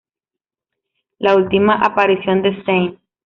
La última aparición de St.